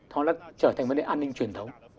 họ đã trở thành vấn đề an ninh truyền thống